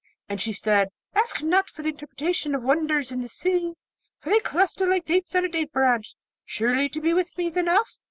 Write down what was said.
And she said, 'Ask not for the interpretation of wonders in this sea, for they cluster like dates on a date branch. Surely, to be with me is enough?'